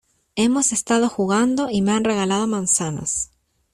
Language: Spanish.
hemos estado jugando y me han regalado manzanas